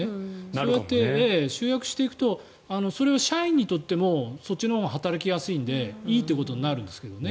そうやって集約していくと社員にとってもそっちのほうが働きやすいのでいいということになるんですけどね。